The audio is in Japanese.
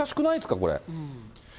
これ。